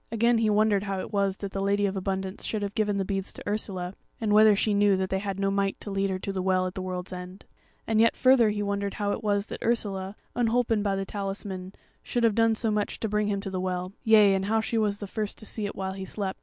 Again he wondered how it was that the Lady of Abundance should have given the beads to Ursula, and whether she knew that they had no might to lead her to the Well at the World's End. And yet further he wondered how it was that Ursula, unholpen by the talisman, should have done so much to bring him to the Well; yea, and how she was the first to see it while he slept.